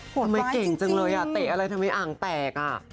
ทำไมเก่งจังเลยอ่ะเตะอะไรทำไมอ่างแตกอ่ะ